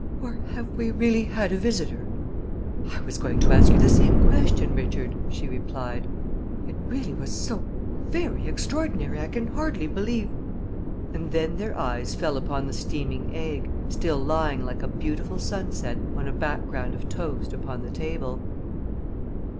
"Or have we really had a visitor?" "I was going to ask you the same question, Richard," she replied. "It really was so very extraordinary, I can hardly believe " And then their eyes fell upon the steaming egg, still lying like a beautiful sunset on a background of toast upon the table.